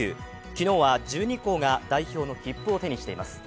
昨日は１２校が代表の切符を手にしています。